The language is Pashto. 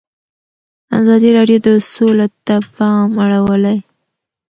ازادي راډیو د سوله ته پام اړولی.